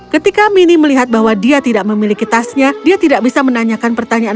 ketika mini melihat bahwa dia tidak memiliki tasnya dia tidak bisa menanyakan pertanyaan